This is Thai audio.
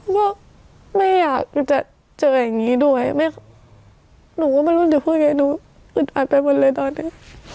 ก็ไม่อยากจะเจออย่างนี้ด้วยหนูก็ไม่รู้จะพูดยังไงหนูอึดอัดไปหมดเลยตอนนี้